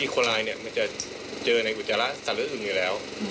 ก็จะเจอในอุจจาระส่านรึ๊ดอื่นอยู่แล้ว